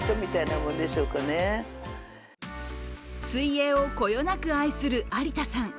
水泳をこよなくあいする有田さん。